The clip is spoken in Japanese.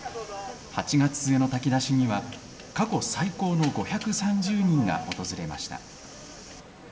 ８月末の炊き出しには、過去最高の５３０人が訪れました。